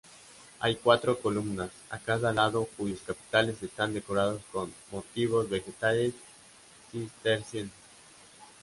Hay cuatro columnas a cada lado cuyos capiteles están decorados con motivos vegetales cistercienses.